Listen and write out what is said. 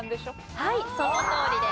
はいそのとおりです。